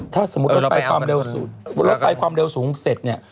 ถ้าสมมุติรถไฟความเร็วสูงรถไฟความเร็วสูงเสร็จเนี่ย